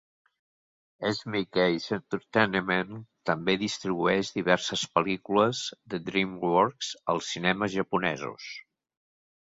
Asmik Ace Entertainment també distribueix diverses pel·lícules de DreamWorks als cinemes japonesos.